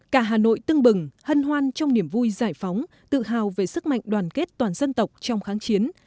cả hà nội tưng bừng hân hoan trong niềm vui giải phóng tự hào về sức mạnh đoàn kết toàn dân tộc trong kháng chiến